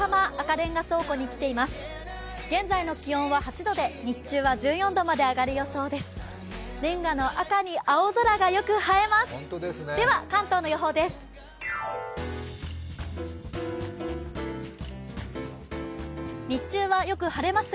レンガの赤に青空がよく映えます。